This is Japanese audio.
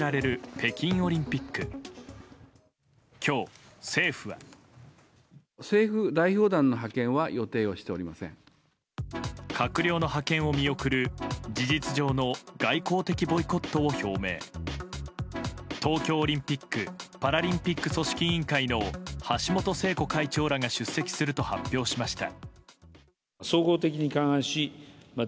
東京オリンピック・パラリンピック組織委員会の橋本聖子会長らが出席すると発表しました。